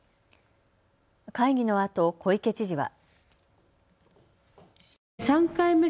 会議のあと小池知事は。